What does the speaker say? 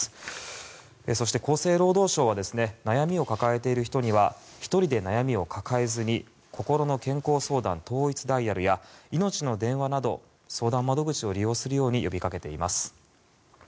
そして厚生労働省は悩みを抱えている人には１人で悩みを抱えずにこころの健康相談統一ダイヤルやいのちの電話など相談窓口を利用するよう呼び掛けています。